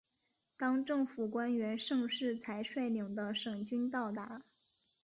当政府官员盛世才率领的省军到达。